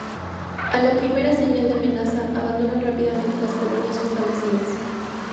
A la primera señal de amenaza abandonan rápidamente las colonias ya establecidas.